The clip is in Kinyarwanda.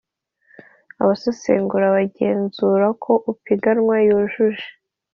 Abasesengura bagenzura ko upiganwa yujuje